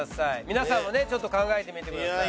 皆さんもねちょっと考えてみてください。